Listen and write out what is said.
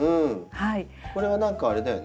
これは何かあれだよね。